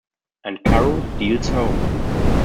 "And Carew steals home".